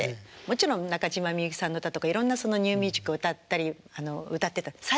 もちろん中島みゆきさんの歌とかいろんなニューミュージックを歌ったり歌ってた。